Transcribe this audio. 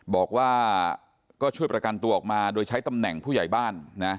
บอกว่าก็ช่วยประกันตัวออกมาโดยใช้ตำแหน่งผู้ใหญ่บ้านนะ